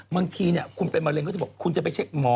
บางทีคุณเป็นมะเร็งก็จะบอกคุณจะไปเช็คหมอ